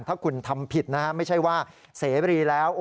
ถ้าคุณทำผิดนะฮะไม่ใช่ว่าเสรีแล้ว